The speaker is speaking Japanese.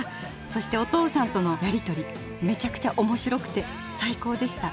そしてお父さんとのやり取りめちゃくちゃおもしろくて最高でした。